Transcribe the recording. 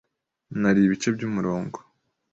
Nariye ibice byumurongo